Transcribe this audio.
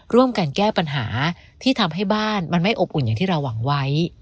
ร่วมกันแก้ปัญหาที่ทำให้บ้านมันไม่อบอุ่นอย่างที่เราหวังไว้